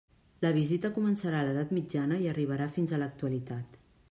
La visita començarà a l'Edat Mitjana i arribarà fins a l'actualitat.